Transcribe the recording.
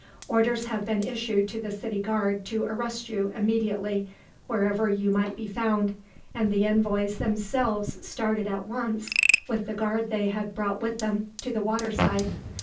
"Orders have been issued to the city guard to arrest you, immediately, wherever you might be found; and the envoys themselves started at once, with the guard they had brought with them, to the waterside.